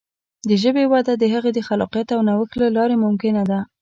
د ژبې وده د هغې د خلاقیت او نوښت له لارې ممکنه ده.